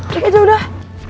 gimana aja udah